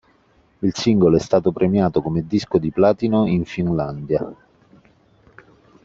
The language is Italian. Il singolo è stato premiato come disco di platino in Finlandia.